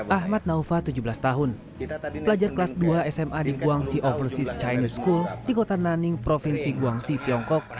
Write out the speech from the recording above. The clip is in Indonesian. ahmad naufa tujuh belas tahun pelajar kelas dua sma di guangsi oversis chinese school di kota naning provinsi guangsi tiongkok